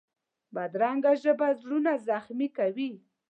بدرنګه ژبه زړونه زخمي کوي